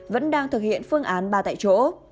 vẫn đang thực hiện phương án ba tại chỗ